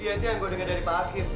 iya itu yang gue denger dari pak akim